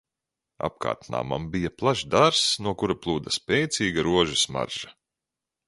Apkārt namam bija plašs dārzs, no kura plūda spēcīga rožu smarža.